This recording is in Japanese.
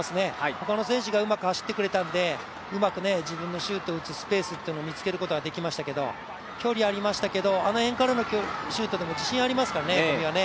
ほかの選手がうまく走ってくれたんで、うまく自分がシュートを打つスペースを見つけることができましたけれども、距離ありましたけれども、あの辺からのシュートでも自信がありますからね、小見は。